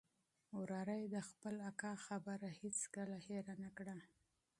وراره یې د خپل تره دغه خبره هیڅکله هېره نه کړه.